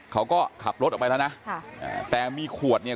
เขาก็ขับรถออกไปแล้วนะ